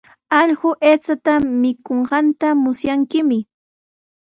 Allqu aycha mikunqanta musyankimi.